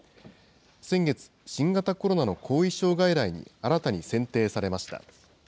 先月、新型コロナの後遺症外来に新たに選定されました。